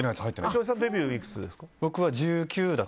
翔平さんデビューいくつですか。